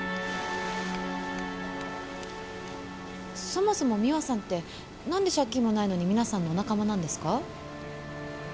そもそも三和さんってなんで借金もないのに皆さんのお仲間なんですか？